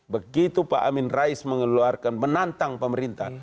begitu pak amin rais mengeluarkan menantang pemerintah